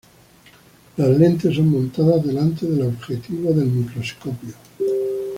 Las lentes son montadas delante del objetivo del microscopio.